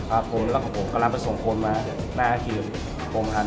ัพพลและของผมกำลังส่งมาของกระหว่างของผม